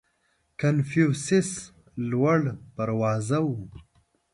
• کنفوسیوس لوړ پروازه و.